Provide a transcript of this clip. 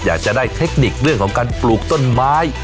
อยากจะได้เทคนิคเรื่องของการปลูกต้นไม้